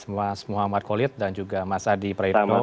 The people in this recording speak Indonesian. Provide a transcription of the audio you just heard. mas muhammad qolid dan juga mas adi prairno